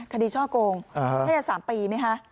ช่อโกงน่าจะ๓ปีไหมคะ